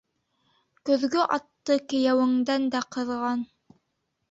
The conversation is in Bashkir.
Көҙгө атты кейәүеңдән дә ҡыҙған.